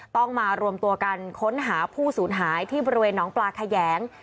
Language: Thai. ต้องมารวมตัวกันค้นหาผู้สูญหายที่บริเวณน้องปลาแขยง